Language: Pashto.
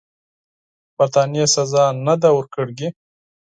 برټانیې سزا نه ده ورکړې.